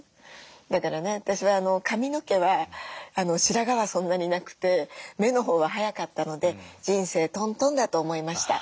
だからね私は髪の毛は白髪はそんなになくて目のほうは早かったので人生トントンだと思いました。